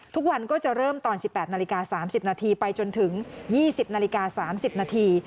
ทุกวันก็จะเริ่มตอน๑๘นาฬิกา๓๐นาทีไปจนถึง๒๐นาฬิกา๓๐นาที